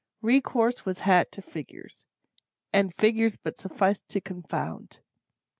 Recourse was had to figures; and figures but sufficed to confound.